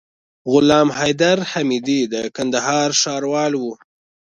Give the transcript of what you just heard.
غلام حيدر حميدي د کندهار ښاروال وو.